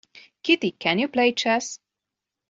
Kitty, can you play chess?